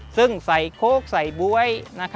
ซึ่งใส่โค้กใส่บ๊วย